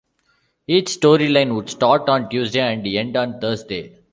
Each story line would start on Tuesday and end on Thursday.